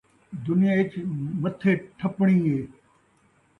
دنیا ءِچ متھے ٹھپݨی ہے